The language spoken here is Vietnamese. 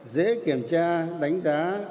dễ kiểm tra đánh giá